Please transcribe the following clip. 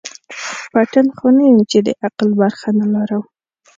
پتڼ خو نه یم چي د عقل برخه نه لرمه